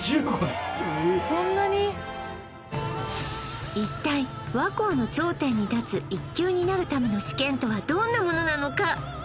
そんなに一体和幸の頂点に立つ１級になるための試験とはどんなものなのか？